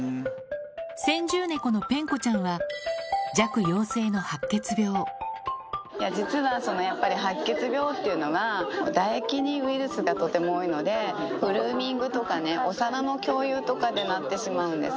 先住猫のぺんこちゃんは、実はやっぱり、白血病っていうのは唾液にウイルスがとても多いので、グルーミングとかね、お皿の共有とかでなってしまうんです。